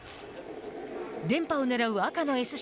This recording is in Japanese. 連覇をねらう赤のＳＣ